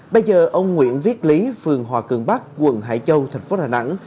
bây giờ ông nguyễn viết lý phường hòa cường bắc quận hải châu thành phố đà nẵng